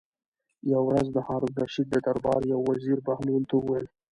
یوه ورځ د هارون الرشید د دربار یو وزیر بهلول ته وویل.